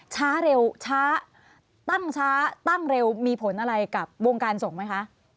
ช้าเร็วช้าตั้งช้าตั้งเร็วมีผลอะไรกับวงการส่งไหมคะ